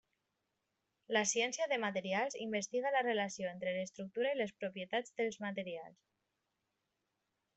La ciència de materials investiga la relació entre l'estructura i les propietats dels materials.